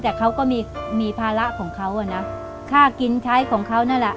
แต่เขาก็มีมีภาระของเขาอ่ะนะค่ากินใช้ของเขานั่นแหละ